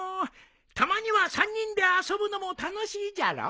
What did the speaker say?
たまには３人で遊ぶのも楽しいじゃろ。